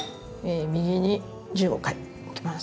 右に１５回。いきます。